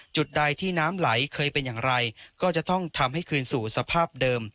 จุดใดที่น้ำไหลเคยเป็นอย่างไรก็จะต้องทำให้คืนสู่สภาพเดิม